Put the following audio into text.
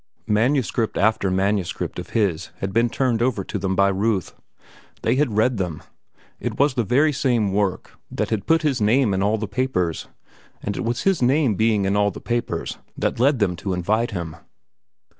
Manuscript after manuscript of his had been turned over to them by Ruth. They had read them. It was the very same work that had put his name in all the papers, and, it was his name being in all the papers that led them to invite him.